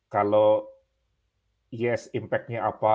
kalau yes impact nya apa